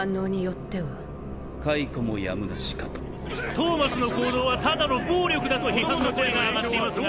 トーマスの行動はただの暴力だと批判の声が上がっていますが？